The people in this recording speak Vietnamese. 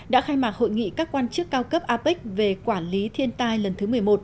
đã khai mạc hội nghị các quan chức cao cấp apec về quản lý thiên tai lần thứ một mươi một